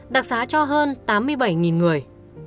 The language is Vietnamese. đặc xá cho hơn tám mươi bảy người